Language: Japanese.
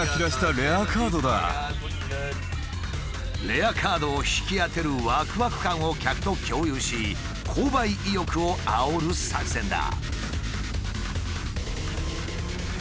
レアカードを引き当てるわくわく感を客と共有し購買意欲をあおる作戦だ。